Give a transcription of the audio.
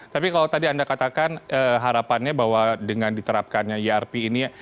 tapi kalau tadi anda katakan harapannya bahwa dengan diterapkannya irp ini